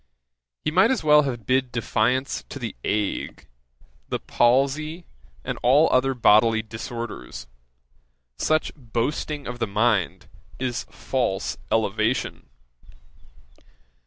He might as well have bid defiance to the ague, the palsy, and all other bodily disorders, Such boasting of the mind is false elevation.